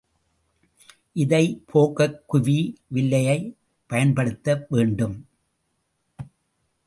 இதைப் போக்கக் குவி வில்லையைப் பயன்படுத்த வேண்டும்.